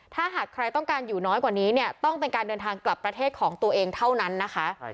ถ้าหากใครต้องการอยู่น้อยกว่านี้เนี่ยต้องเป็นการเดินทางกลับประเทศของตัวเองเท่านั้นนะคะ